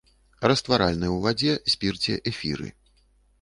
Растваральны ў вадзе, спірце, эфіры.